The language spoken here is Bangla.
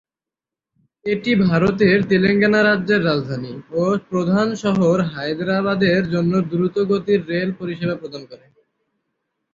এটি ভারতের তেলেঙ্গানা রাজ্যের রাজধানী ও প্রধান শহর হায়দ্রাবাদের জন্য দ্রুতগতির রেল পরিষেবা প্রদান করে।